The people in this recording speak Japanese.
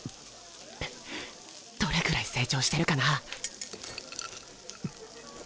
どれぐらい成長してるかなあ？